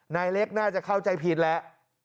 นายเล็กน่าจะเข้าใจผิดแล้ว